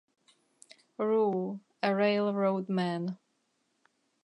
Rule, a railroad man.